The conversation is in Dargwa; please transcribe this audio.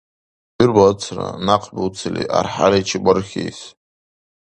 ГӀур бацра, някъ буцили, архӀяличи бархьиис.